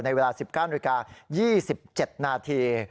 ในเวลา๑๙น๒๗นาที